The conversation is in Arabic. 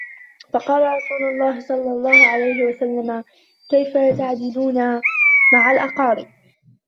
فَقَالَ رَسُولُ اللَّهِ صَلَّى اللَّهُ عَلَيْهِ وَسَلَّمَ كَيْفَ تَعْدِلُونَ مَعَ الْأَقَارِبِ